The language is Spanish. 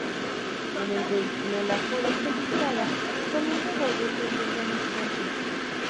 En el vehículo la joven se dispara con un revólver, muriendo al instante.